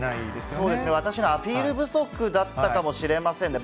そうですね、私のアピール不足だったかもしれませんね。